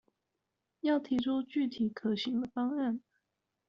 要提出具體可行的方案